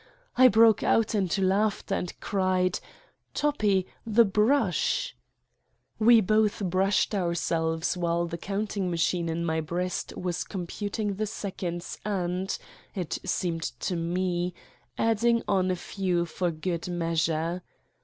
I broke out into laughter and cried: 1 1 Toppi, the brush I" We both brushed ourselves while the counting machine in my breast was computing the seconds and, it seemed to me, adding on a few for good measure.